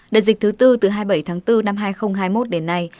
đại dịch thứ tư từ hai mươi bảy tháng bốn năm hai nghìn hai mươi một đến nay